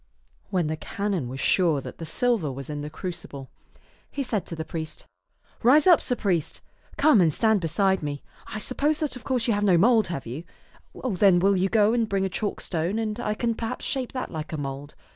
When the canon was sure that the silver was in the crucible, he said to the priest, " Rise up, sir priest. Come and stand beside me. I suppose that of course you have no mould, have you ? Then will you go and bring a chalk stone, and I can perhaps shape that like a mould.